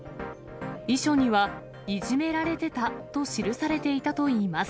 遺書には、いじめられてたと記されていたといいます。